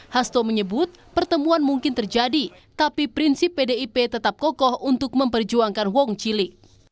hasto menyebut pertemuan mungkin terjadi tapi prinsip pdip tetap kokoh untuk memperjuangkan wong cili